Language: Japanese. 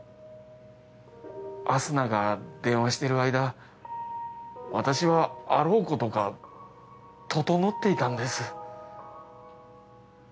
明日菜が電話してる間私はあろうことかととのっていたんです。